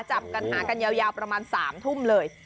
จับกันหากันยาวประมาณ๓ทุ่มเลย